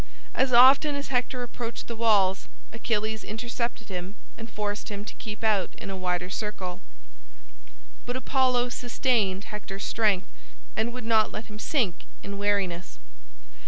As often as Hector approached the walls Achilles intercepted him and forced him to keep out in a wider circle. But Apollo sustained Hector's strength and would not let him sink in weariness.